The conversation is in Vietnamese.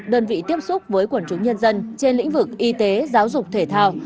đơn vị tiếp xúc với quần chúng nhân dân trên lĩnh vực y tế giáo dục thể thao